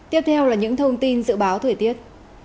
tiếp theo là những thông tin dự báo thời tiết